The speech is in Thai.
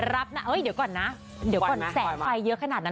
รับนะเอ้ยเดี๋ยวก่อนนะเดี๋ยวก่อนแสงไฟเยอะขนาดนั้น